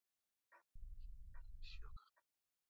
mafuta palikuwa na kilimo kidogo sana halafu ufugaji na